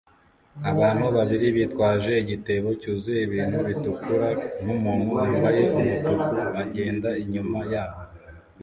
Abantu babiri bitwaje igitebo cyuzuye ibintu bitukura nkumuntu wambaye umutuku agenda inyuma yabo